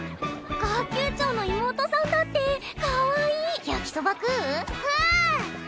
学級長の妹さんだってかわいい焼きそば食う？食う！